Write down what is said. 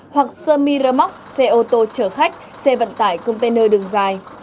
hoặc sơ mi rơ móc xe ô tô chở khách xe vận tải container đường dài